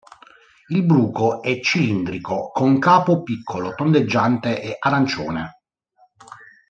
Il bruco è cilindrico, con capo piccolo, tondeggiante e arancione.